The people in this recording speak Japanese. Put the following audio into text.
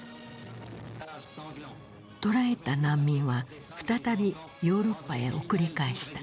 捕らえた難民は再びヨーロッパへ送り返した。